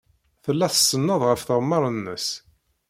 Tella tsenned ɣef tɣemmar-nnes.